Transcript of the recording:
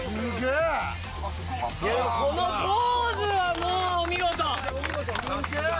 このポーズはもうお見事すげえ！